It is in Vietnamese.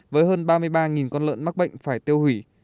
với hơn ba mươi ba con lợn mắc bệnh phải tiêu hủy